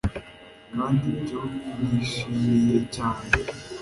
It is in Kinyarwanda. Kandi ibyo nishimiye cyane